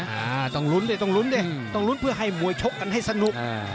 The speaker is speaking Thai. เอ่อต้องหลุ้นด้วยต้องหลุ้นด้วยต้องหลุ้นเพื่อให้มวยโชคกันให้สนุก